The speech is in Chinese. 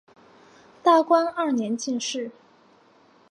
大观二年进士。